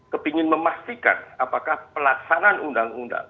kepingin memastikan apakah pelaksanaan undang undang